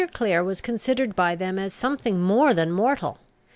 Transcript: Clare was considered by them as something more than mortal.